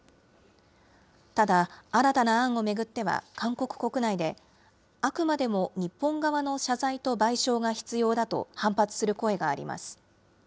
ただ、新たな案を巡っては、韓国国内であくまでも日本側の謝罪と賠償が必要だと反発する声があります。